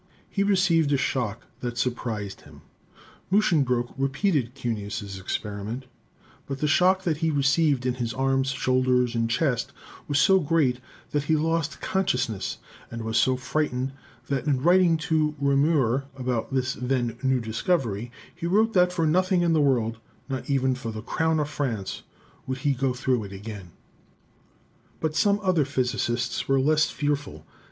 He received a shock that surprised him. Muschenbroek repeated Cuneus' experiment, but the shock that he received in his arms, shoulders and chest was so great that he lost consciousness and was so frightened that in writing to Reaumur about this then new discovery, he wrote that for nothing in the world, not even for the crown of France, would he go through it again. But some other physicists were less fearful.